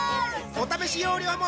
お試し容量も